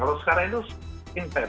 kalau sekarang itu intens